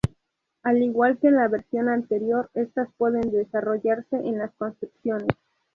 Al igual que en la versión anterior, estas pueden desarrollarse en las construcciones.